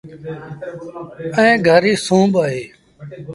ائيٚݩ گھر ريٚ سُون با اهي۔